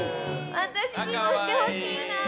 私にもしてほしいな！